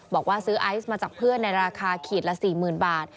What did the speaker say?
บอกว่าซื้อไอซ์มาจากเพื่อนในราคาขีดละ๔๐๐๐บาท